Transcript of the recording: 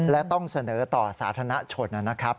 และต้องเสนอต่อสาธารณชนนะครับ